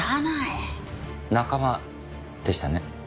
仲間でしたね。